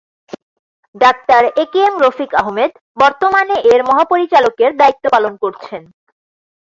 Doctor A K M Rafiq Ahmed বর্তমানে এর মহাপরিচালকের দায়িত্ব পালন করছেন।